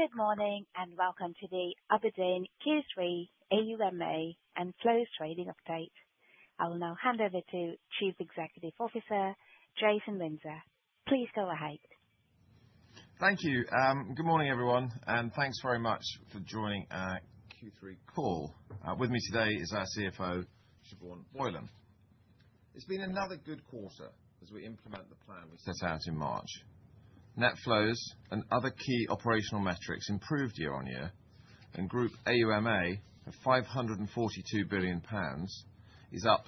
Good morning and welcome to the Aberdeen Q3 AUMA and Flows Trading Update. I will now hand over to Chief Executive Officer Jason Windsor. Please go ahead. Thank you. Good morning, everyone, and thanks very much for joining our Q3 call. With me today is our CFO, Siobhan Boylan. It's been another good quarter as we implement the plan we set out in March. Net flows and other key operational metrics improved year-on-year, and Group AUMA of 542 billion pounds is up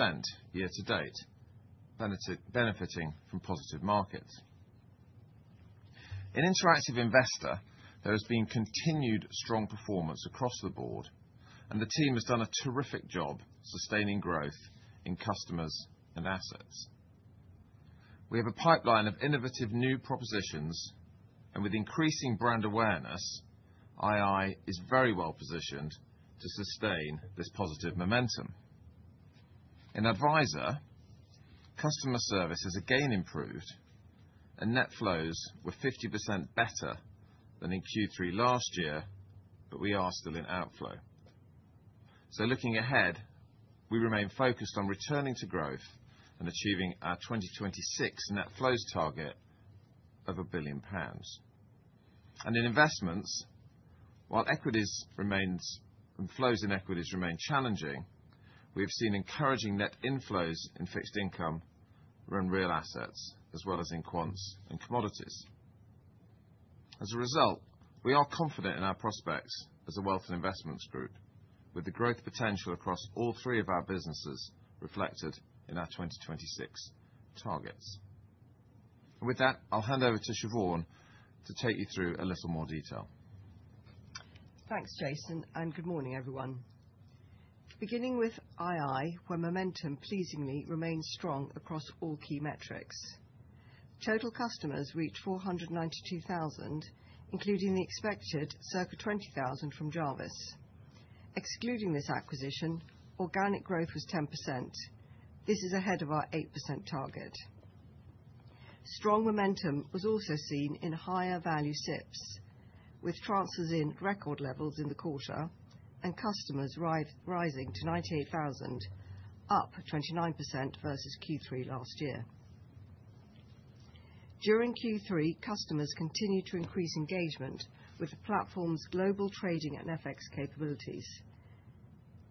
6% year-to-date, benefiting from positive markets. In Interactive Investor, there has been continued strong performance across the board, and the team has done a terrific job sustaining growth in customers and assets. We have a pipeline of innovative new propositions, and with increasing brand awareness, II is very well positioned to sustain this positive momentum. In Adviser, customer service has again improved, and net flows were 50% better than in Q3 last year, but we are still in outflow. So looking ahead, we remain focused on returning to growth and achieving our 2026 net flows target of 1 billion pounds. And in investments, while equities remains and flows in equities remain challenging, we have seen encouraging net inflows in fixed income and real assets, as well as in quants and commodities. As a result, we are confident in our prospects as a Wealth and Investments Group, with the growth potential across all three of our businesses reflected in our 2026 targets. And with that, I'll hand over to Siobhan to take you through a little more detail. Thanks, Jason, and good morning, everyone. Beginning with II, where momentum pleasingly remains strong across all key metrics. Total customers reached 492,000, including the expected circa 20,000 from Jarvis. Excluding this acquisition, organic growth was 10%. This is ahead of our 8% target. Strong momentum was also seen in higher value SIPPs, with transfers in record levels in the quarter and customers rising to 98,000, up 29% versus Q3 last year. During Q3, customers continued to increase engagement with the platform's global trading and FX capabilities.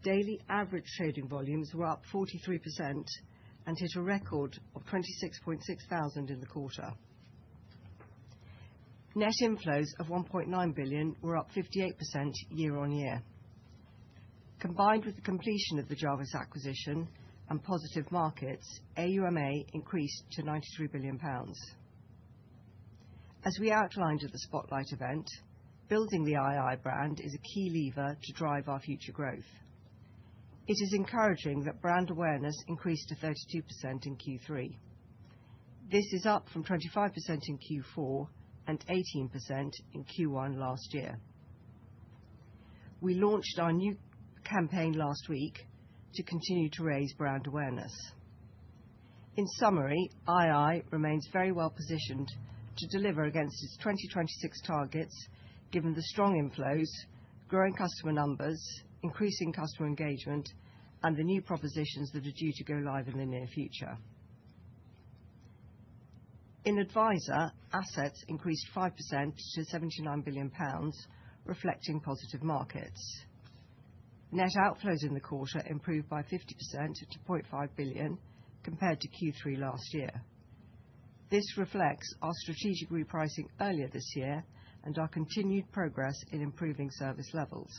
Daily average trading volumes were up 43% and hit a record of 26,600 in the quarter. Net inflows of 1.9 billion were up 58% year-on-year. Combined with the completion of the Jarvis acquisition and positive markets, AUMA increased to 93 billion pounds. As we outlined at the spotlight event, building the II brand is a key lever to drive our future growth. It is encouraging that brand awareness increased to 32% in Q3. This is up from 25% in Q4 and 18% in Q1 last year. We launched our new campaign last week to continue to raise brand awareness. In summary, II remains very well positioned to deliver against its 2026 targets, given the strong inflows, growing customer numbers, increasing customer engagement, and the new propositions that are due to go live in the near future. In Adviser, assets increased 5% to 79 billion pounds, reflecting positive markets. Net outflows in the quarter improved by 50% to 0.5 billion compared to Q3 last year. This reflects our strategic repricing earlier this year and our continued progress in improving service levels.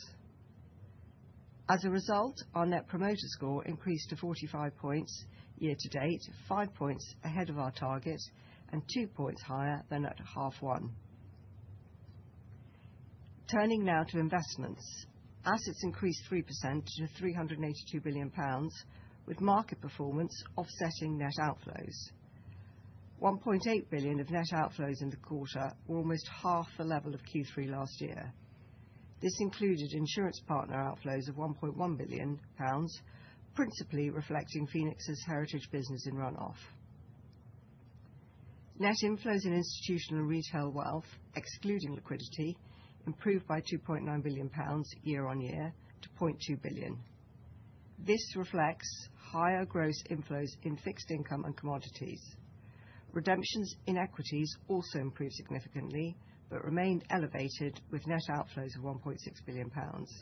As a result, our net promoter score increased to 45 points year to date, five points ahead of our target and two points higher than at half one. Turning now to investments, assets increased 3% to 382 billion pounds, with market performance offsetting net outflows. 1.8 billion of net outflows in the quarter were almost half the level of Q3 last year. This included insurance partner outflows of 1.1 billion pounds, principally reflecting Phoenix's heritage business in runoff. Net inflows in institutional and retail wealth, excluding liquidity, improved by 2.9 billion pounds year-on-year to 0.2 billion. This reflects higher gross inflows in fixed income and commodities. Redemptions in equities also improved significantly but remained elevated, with net outflows of 1.6 billion pounds.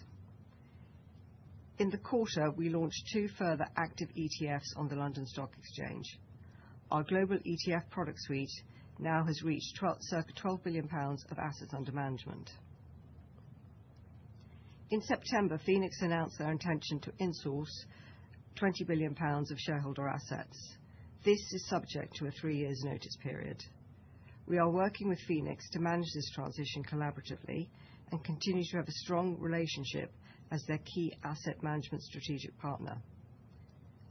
In the quarter, we launched two further active ETFs on the London Stock Exchange. Our global ETF product suite now has reached circa 12 billion pounds of assets under management. In September, Phoenix announced their intention to insource 20 billion pounds of shareholder assets. This is subject to a three-year notice period. We are working with Phoenix to manage this transition collaboratively and continue to have a strong relationship as their key asset management strategic partner,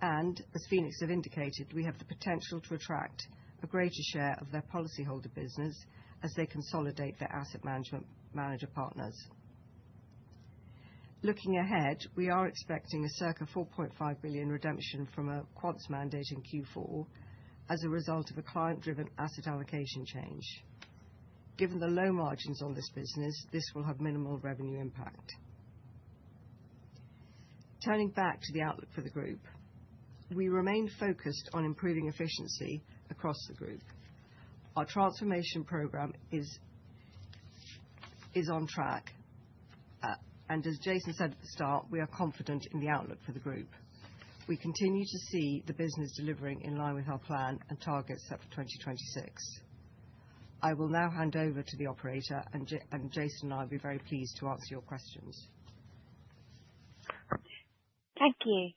and as Phoenix have indicated, we have the potential to attract a greater share of their policyholder business as they consolidate their asset management manager partners. Looking ahead, we are expecting a circa 4.5 billion redemption from a quants mandate in Q4 as a result of a client-driven asset allocation change. Given the low margins on this business, this will have minimal revenue impact. Turning back to the outlook for the group, we remain focused on improving efficiency across the group. Our transformation program is on track, and as Jason said at the start, we are confident in the outlook for the group. We continue to see the business delivering in line with our plan and targets set for 2026. I will now hand over to the operator, and Jason and I will be very pleased to answer your questions. Thank you.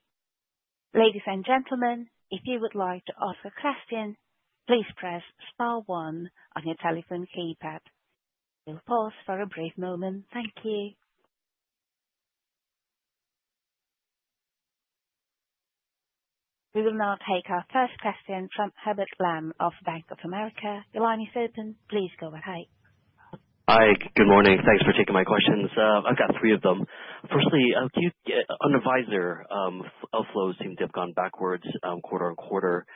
Ladies and gentlemen, if you would like to ask a question, please press star one on your telephone keypad. We'll pause for a brief moment. Thank you. We will now take our first question from Hubert Lam of Bank of America. Your line is open. Please go ahead. Hi. Good morning. Thanks for taking my questions. I've got three of them. Firstly, on Advice, outflows seem to have gone backwards quarter on quarter.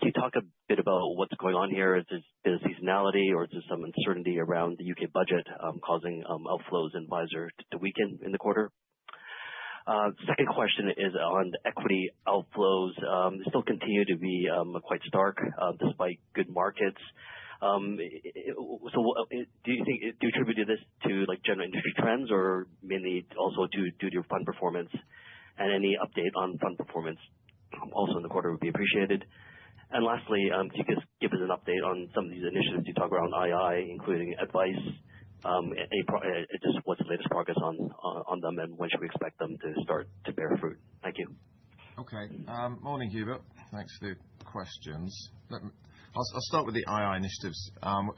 Can you talk a bit about what's going on here? Is it seasonality, or is there some uncertainty around the U.K. budget causing outflows in Advice to weaken in the quarter? Second question is on equity outflows. They still continue to be quite stark despite good markets. So do you attribute this to general industry trends or mainly also due to fund performance? And any update on fund performance also in the quarter would be appreciated. And lastly, can you just give us an update on some of these initiatives you talk about on II, including advice? Just what's the latest progress on them, and when should we expect them to start to bear fruit? Thank you. Okay. Morning, Hubert. Thanks for the questions. I'll start with the II initiatives.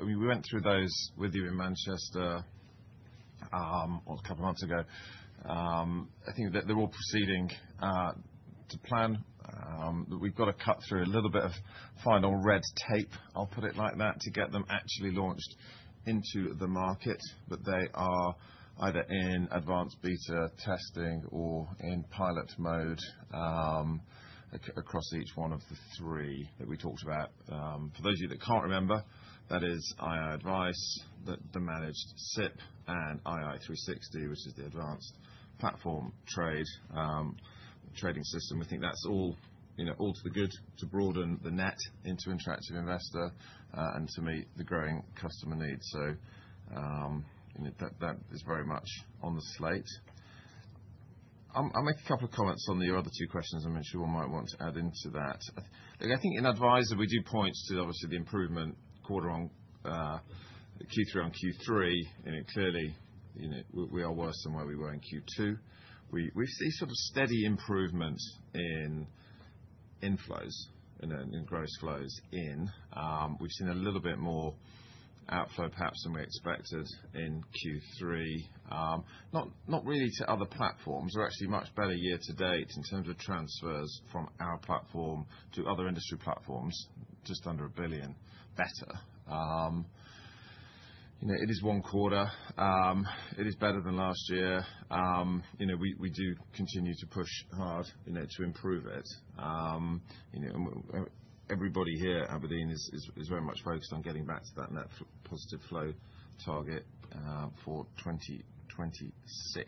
We went through those with you in Manchester a couple of months ago. I think they're all proceeding to plan. We've got to cut through a little bit of final red tape, I'll put it like that, to get them actually launched into the market, but they are either in advanced beta testing or in pilot mode across each one of the three that we talked about. For those of you that can't remember, that is II Advice, the managed SIPP, and II 360, which is the advanced platform trading system. We think that's all to the good, to broaden the net into Interactive Investor and to meet the growing customer needs, so that is very much on the slate. I'll make a couple of comments on your other two questions. I'm sure one might want to add into that. I think in Adviser, we do point to, obviously, the improvement quarter on Q3 on Q3. Clearly, we are worse than where we were in Q2. We see sort of steady improvements in inflows and in gross flows in. We've seen a little bit more outflow, perhaps, than we expected in Q3. Not really to other platforms. We're actually much better year to date in terms of transfers from our platform to other industry platforms, just under 1 billion better. It is one quarter. It is better than last year. We do continue to push hard to improve it. Everybody here at Aberdeen is very much focused on getting back to that net positive flow target for 2026,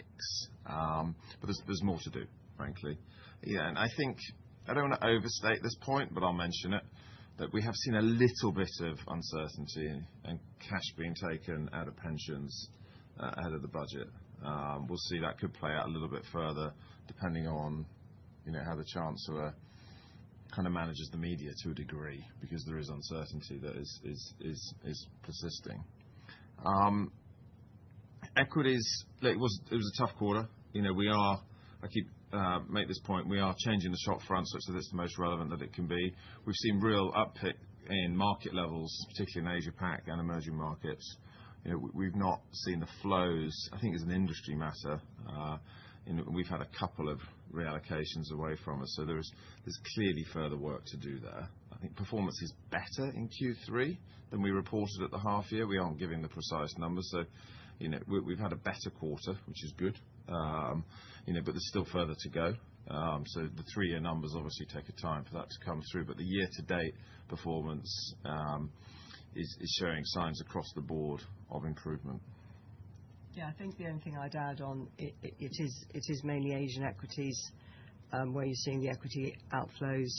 but there's more to do, frankly. Yeah. And I don't want to overstate this point, but I'll mention it, that we have seen a little bit of uncertainty and cash being taken out of pensions out of the budget. We'll see that could play out a little bit further, depending on how the Chancellor kind of manages the media to a degree, because there is uncertainty that is persisting. Equities, it was a tough quarter. I keep making this point. We are changing the shopfront, such that it's the most relevant that it can be. We've seen real uptick in market levels, particularly in Asia-Pac and emerging markets. We've not seen the flows, I think, as an industry matter. We've had a couple of reallocations away from us, so there's clearly further work to do there. I think performance is better in Q3 than we reported at the half year. We aren't giving the precise numbers. So we've had a better quarter, which is good, but there's still further to go. So the three-year numbers obviously take a time for that to come through, but the year-to-date performance is showing signs across the board of improvement. Yeah. I think the only thing I'd add on. It is mainly Asian equities where you're seeing the equity outflows,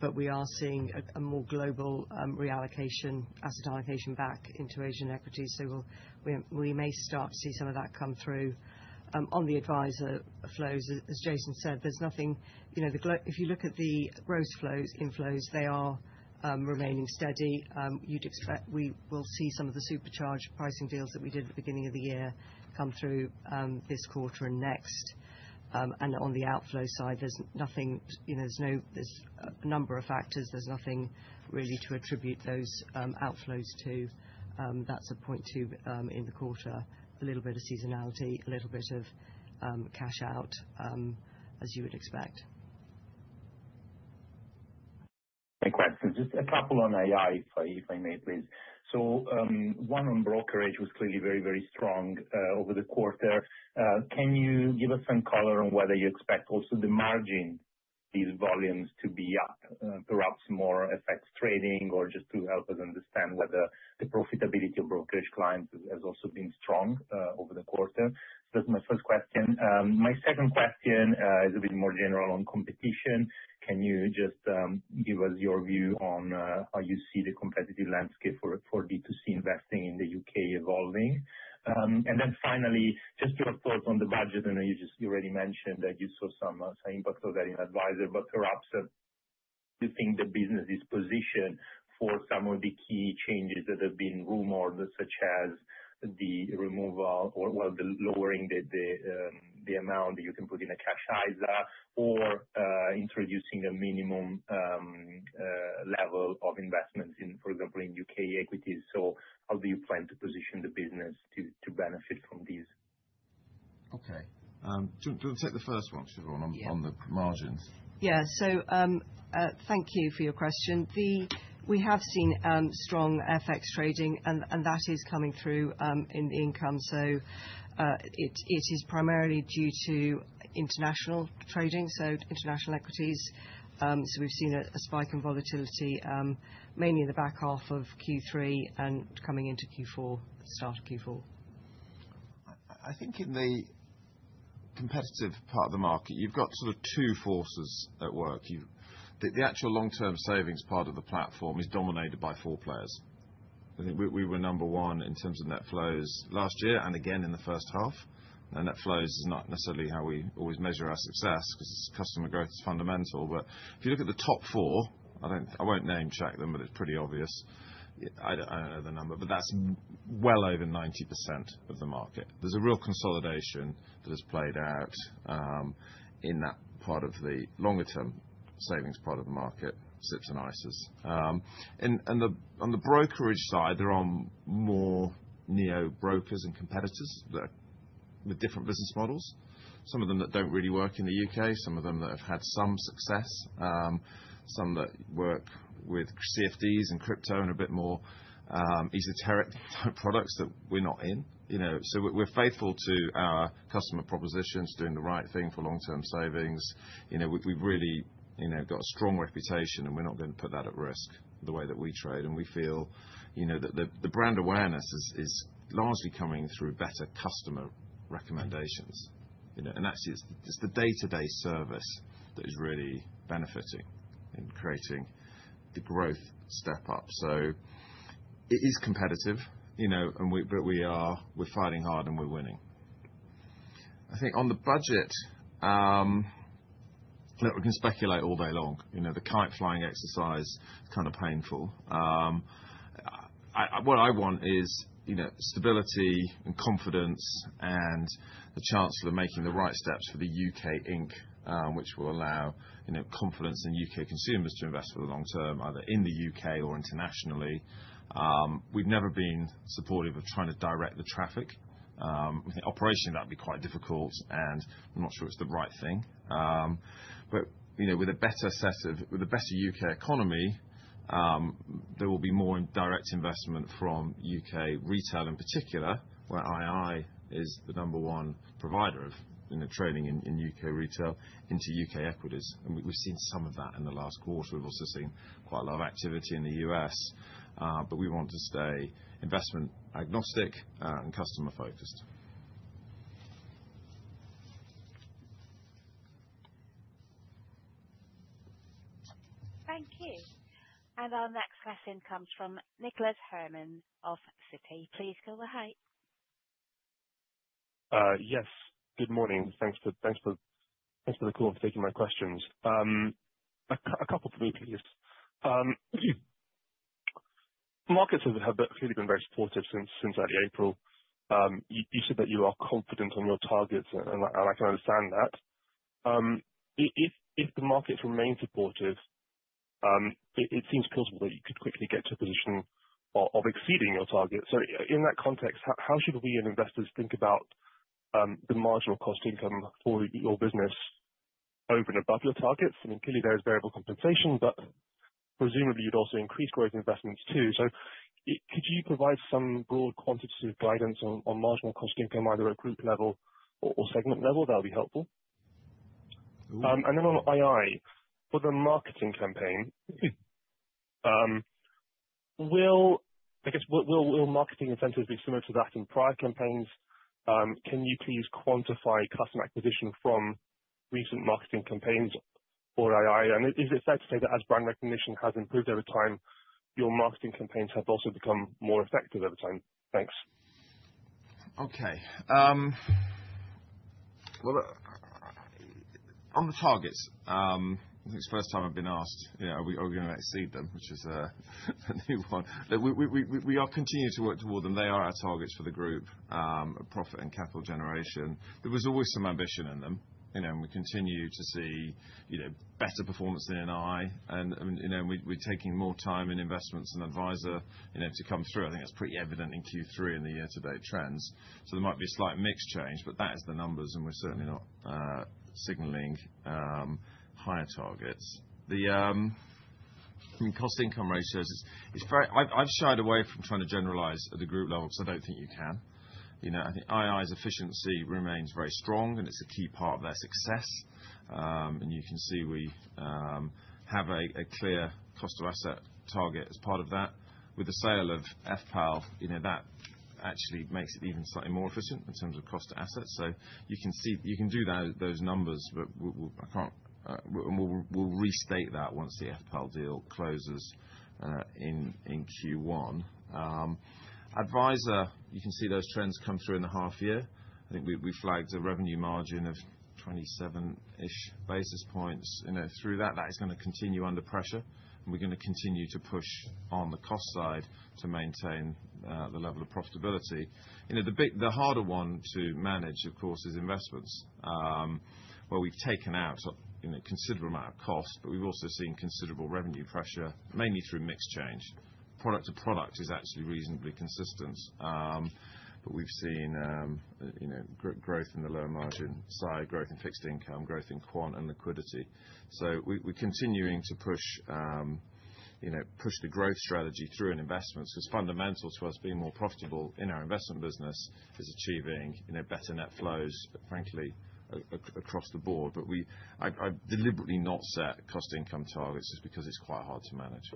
but we are seeing a more global reallocation, asset allocation back into Asian equities. So we may start to see some of that come through. On the Adviser flows, as Jason said, there's nothing if you look at the gross flows, inflows, they are remaining steady. You'd expect we will see some of the supercharged pricing deals that we did at the beginning of the year come through this quarter and next, and on the outflow side, there's nothing, there's a number of factors. There's nothing really to attribute those outflows to. That's 0.2 in the quarter. A little bit of seasonality, a little bit of cash out, as you would expect. Thanks. Just a couple on II, if I may, please. So one on brokerage was clearly very, very strong over the quarter. Can you give us some color on whether you expect also the margin these volumes to be up, perhaps more FX trading or just to help us understand whether the profitability of brokerage clients has also been strong over the quarter? So that's my first question. My second question is a bit more general on competition. Can you just give us your view on how you see the competitive landscape for B2C investing in the U.K. evolving? And then finally, just your thoughts on the budget. I know you already mentioned that you saw some impact of that in Adviser, but perhaps you think the business is positioned for some of the key changes that have been rumored, such as the removal or, well, lowering the amount that you can put in a Cash ISA or introducing a minimum level of investments, for example, in U.K. equities. So how do you plan to position the business to benefit from these? Okay. Do we take the first one, Siobhan, on the margins? Yeah. So thank you for your question. We have seen strong FX trading, and that is coming through in the income. So it is primarily due to international trading, so international equities. So we've seen a spike in volatility, mainly in the back half of Q3 and coming into Q4, start of Q4. I think in the competitive part of the market, you've got sort of two forces at work. The actual long-term savings part of the platform is dominated by four players. I think we were number one in terms of net flows last year and again in the first half. Now, net flows is not necessarily how we always measure our success because customer growth is fundamental, but if you look at the top four, I won't name-check them, but it's pretty obvious. I don't know the number, but that's well over 90% of the market. There's a real consolidation that has played out in that part of the longer-term savings part of the market, SIPPs and ISAs, and on the brokerage side, there are more neo-brokers and competitors with different business models. Some of them that don't really work in the U.K., some of them that have had some success, some that work with CFDs and crypto and a bit more esoteric type products that we're not in. So we're faithful to our customer propositions, doing the right thing for long-term savings. We've really got a strong reputation, and we're not going to put that at risk the way that we trade. And we feel that the brand awareness is largely coming through better customer recommendations. And actually, it's the day-to-day service that is really benefiting in creating the growth step up. So it is competitive, but we're fighting hard and we're winning. I think on the budget, we can speculate all day long. The kite-flying exercise is kind of painful. What I want is stability and confidence and a chance for making the right steps for the U.K. Inc., which will allow confidence in U.K. consumers to invest for the long term, either in the U.K. or internationally. We've never been supportive of trying to direct the traffic. With the operation, that would be quite difficult, and I'm not sure it's the right thing. But with a better U.K. economy, there will be more direct investment from U.K. retail in particular, where II is the number one provider of trading in U.K. retail into U.K. equities. And we've seen some of that in the last quarter. We've also seen quite a lot of activity in the U.S., but we want to stay investment agnostic and customer-focused. Thank you, and our next question comes from Nicholas Herman of Citi. Please go ahead. Yes. Good morning. Thanks for the call and for taking my questions. A couple for me, please. Markets have clearly been very supportive since early April. You said that you are confident on your targets, and I can understand that. If the markets remain supportive, it seems possible that you could quickly get to a position of exceeding your targets. So in that context, how should we as investors think about the marginal cost income for your business over and above your targets? I mean, clearly, there is variable compensation, but presumably, you'd also increase growth investments too. So could you provide some broad quantitative guidance on marginal cost income, either at group level or segment level? That would be helpful. And then on II, for the marketing campaign, I guess, will marketing incentives be similar to that in prior campaigns? Can you please quantify customer acquisition from recent marketing campaigns or II? And is it fair to say that as brand recognition has improved over time, your marketing campaigns have also become more effective over time? Thanks. Okay. Well, on the targets, I think it's the first time I've been asked, are we going to exceed them, which is a new one? We are continuing to work toward them. They are our targets for the group, profit and capital generation. There was always some ambition in them, and we continue to see better performance in II. And we're taking more time and investments in Adviser to come through. I think that's pretty evident in Q3 and the year-to-date trends. So there might be a slight mixed change, but that is the numbers, and we're certainly not signaling higher targets. The cost-income ratio is very. I've shied away from trying to generalize at the group level because I don't think you can. I think II's efficiency remains very strong, and it's a key part of their success. And you can see we have a clear cost-of-asset target as part of that. With the sale of FPAL, that actually makes it even slightly more efficient in terms of cost-to-asset. So you can do those numbers, but I can't and we'll restate that once the FPAL deal closes in Q1. Adviser, you can see those trends come through in the half year. I think we flagged a revenue margin of 27-ish basis points. Through that, that is going to continue under pressure, and we're going to continue to push on the cost side to maintain the level of profitability. The harder one to manage, of course, is investments, where we've taken out a considerable amount of cost, but we've also seen considerable revenue pressure, mainly through mixed change. Product-to-product is actually reasonably consistent, but we've seen growth in the low margin side, growth in fixed income, growth in quant and liquidity, so we're continuing to push the growth strategy through in investments because fundamental to us being more profitable in our investment business is achieving better net flows, frankly, across the board, but I deliberately not set cost-income targets just because it's quite hard to manage.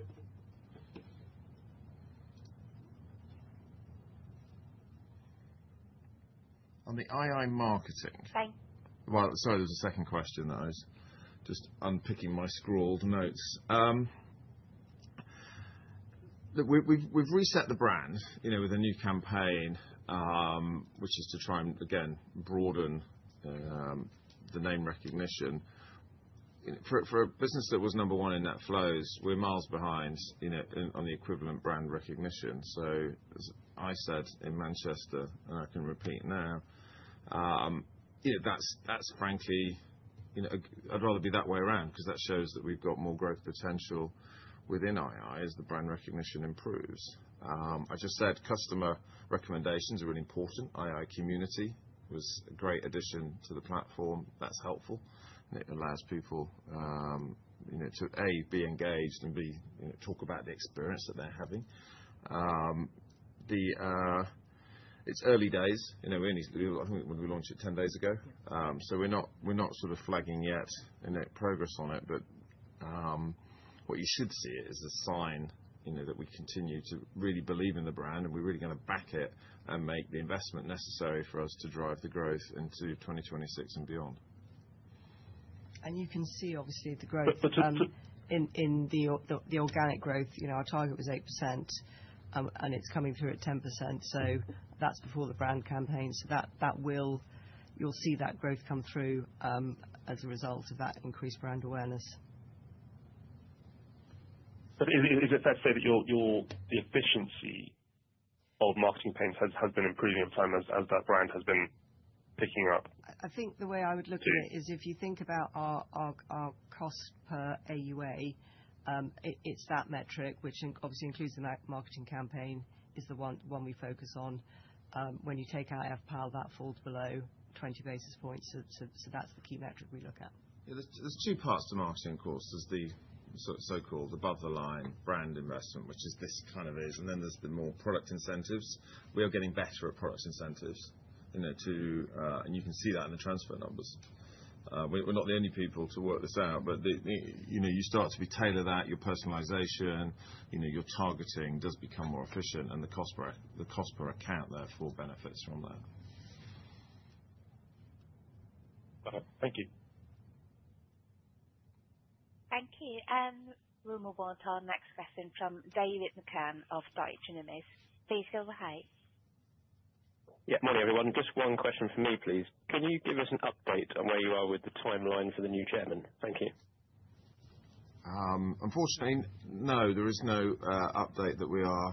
On the II marketing. Thanks. Sorry, there was a second question that I was just unpicking my scrawled notes. We've reset the brand with a new campaign, which is to try and, again, broaden the name recognition. For a business that was number one in net flows, we're miles behind on the equivalent brand recognition. So as I said in Manchester, and I can repeat now, that's frankly, I'd rather be that way around because that shows that we've got more growth potential within II as the brand recognition improves. I just said customer recommendations are really important. II Community was a great addition to the platform. That's helpful. It allows people to, A, be engaged and, B, talk about the experience that they're having. It's early days. I think we launched it 10 days ago. So we're not sort of flagging yet any progress on it, but what you should see is a sign that we continue to really believe in the brand, and we're really going to back it and make the investment necessary for us to drive the growth into 2026 and beyond. And you can see, obviously, the growth in the organic growth. Our target was 8%, and it's coming through at 10%, so that's before the brand campaign, so you'll see that growth come through as a result of that increased brand awareness. But is it fair to say that the efficiency of marketing campaigns has been improving in time as that brand has been picking up? I think the way I would look at it is if you think about our cost per AUA, it's that metric, which obviously includes the marketing campaign, is the one we focus on. When you take out FPAL, that falls below 20 basis points. So that's the key metric we look at. Yeah. There's two parts to marketing, of course. There's the so-called above-the-line brand investment, which is this kind of, and then there's the more product incentives. We are getting better at product incentives, and you can see that in the transfer numbers. We're not the only people to work this out, but you start to tailor that. Your personalization, your targeting does become more efficient, and the cost per account therefore benefits from that. Got it. Thank you. Thank you. And we'll move on to our next question from David McCann of Deutsche Numis. Please go ahead. Yeah. Morning, everyone. Just one question from me, please. Can you give us an update on where you are with the timeline for the new chairman? Thank you. Unfortunately, no. There is no update that we are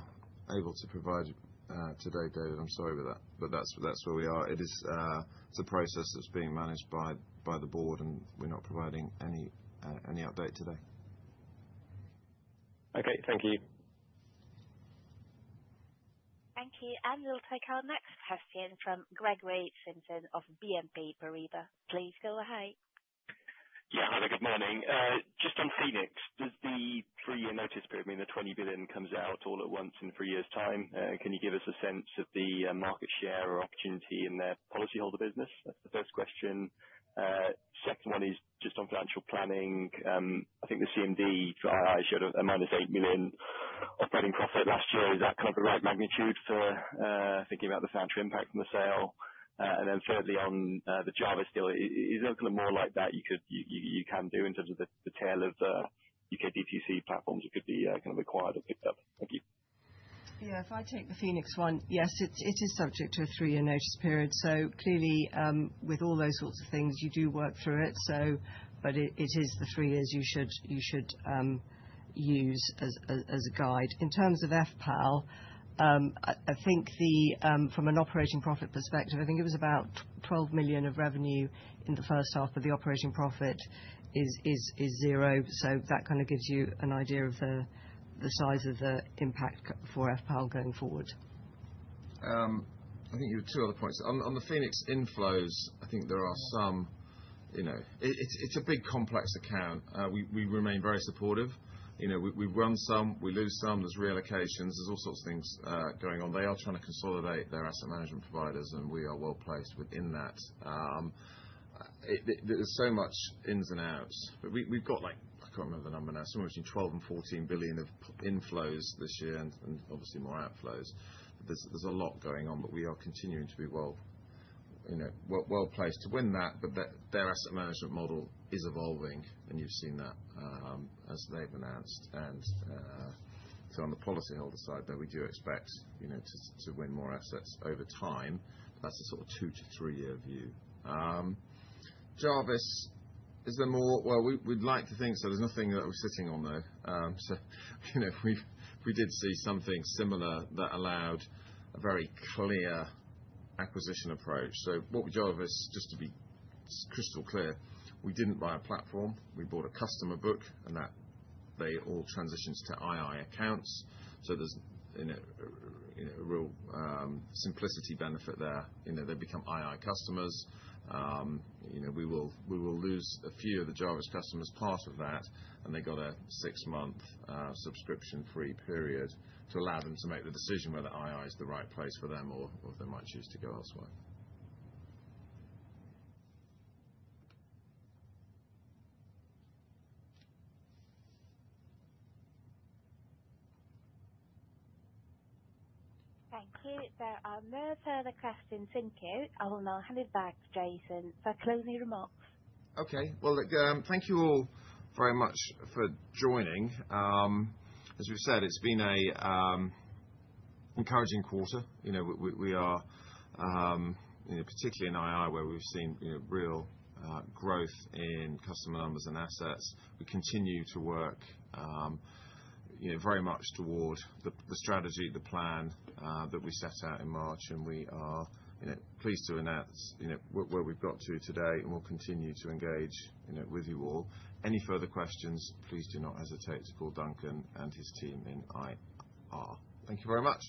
able to provide today, David. I'm sorry about that, but that's where we are. It's a process that's being managed by the board, and we're not providing any update today. Okay. Thank you. Thank you. And we'll take our next question from Gregory Simpson of BNP Paribas. Please go ahead. Yeah. Hi, there. Good morning. Just on Phoenix, does the three-year notice period mean the 20 billion comes out all at once in three years' time? Can you give us a sense of the market share or opportunity in their policyholder business? That's the first question. Second one is just on financial planning. I think the CMD for II showed a minus 8 million operating profit last year. Is that kind of the right magnitude for thinking about the financial impact from the sale? And then thirdly, on the Jarvis deal, is there kind of more like that you can do in terms of the tail of U.K. DTC platforms that could be kind of acquired or picked up? Thank you. Yeah. If I take the Phoenix one, yes, it is subject to a three-year notice period. So clearly, with all those sorts of things, you do work through it. But it is the three years you should use as a guide. In terms of FPAL, I think from an operating profit perspective, I think it was about 12 million of revenue in the first half, but the operating profit is zero. So that kind of gives you an idea of the size of the impact for FPAL going forward. I think you have two other points. On the Phoenix inflows, I think there are some. It's a big complex account. We remain very supportive. We've won some. We lose some. There's reallocations. There's all sorts of things going on. They are trying to consolidate their asset management providers, and we are well placed within that. There's so much ins and outs, but we've got like I can't remember the number now, somewhere between 12 and 14 billion of inflows this year and obviously more outflows, there's a lot going on, but we are continuing to be well placed to win that, but their asset management model is evolving, and you've seen that as they've announced, and so on the policyholder side, though, we do expect to win more assets over time. That's a sort of two to three-year view. Jarvis is a more well, we'd like to think so. There's nothing that we're sitting on, though, so we did see something similar that allowed a very clear acquisition approach, so what Jarvis, just to be crystal clear, we didn't buy a platform. We bought a customer book, and they all transitioned to II accounts, so there's a real simplicity benefit there. They become II customers. We will lose a few of the Jarvis customers part of that, and they got a six-month subscription-free period to allow them to make the decision whether II is the right place for them or they might choose to go elsewhere. Thank you. There are no further questions in queue. I will now hand it back to Jason for closing remarks. Okay. Well, thank you all very much for joining. As we've said, it's been an encouraging quarter. We are, particularly in II, where we've seen real growth in customer numbers and assets. We continue to work very much toward the strategy, the plan that we set out in March, and we are pleased to announce where we've got to today, and we'll continue to engage with you all. Any further questions, please do not hesitate to call Duncan and his team in IR. Thank you very much.